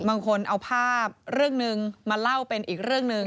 บางคนเอาภาพเรื่องหนึ่งมาเล่าเป็นอีกเรื่องหนึ่ง